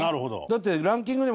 だって。